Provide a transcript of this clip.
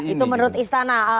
itu menurut istana